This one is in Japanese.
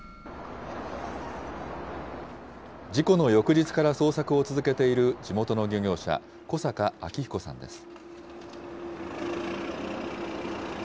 事故の翌日から捜索を続けている地元の漁業者、古坂彰彦さんです。